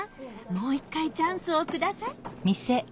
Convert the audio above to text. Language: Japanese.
もう一回チャンスをください。